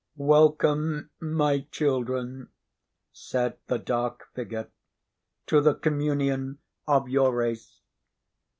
"Welcome, my children," said the dark figure, "to the communion of your race.